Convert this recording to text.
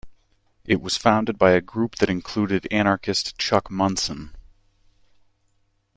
It was founded by a group that included anarchist Chuck Munson.